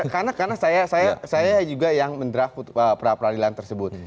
karena saya juga yang mendraft pra peradilan tersebut